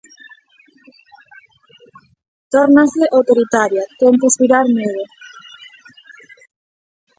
Tórnase autoritaria, tenta inspirar medo.